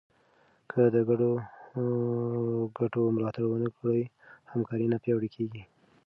که د ګډو ګټو ملاتړ ونه کړې، همکاري نه پیاوړې کېږي.